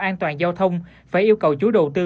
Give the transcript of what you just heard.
an toàn giao thông phải yêu cầu chú đồ tư